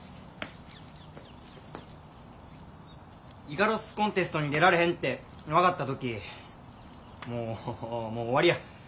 イカロスコンテストに出られへんて分かった時もう終わりや。